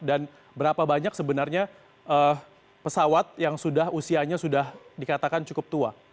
dan berapa banyak sebenarnya pesawat yang usianya sudah dikatakan cukup tua